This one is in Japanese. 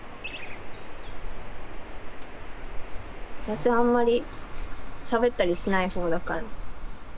私あんまりしゃべったりしない方だから。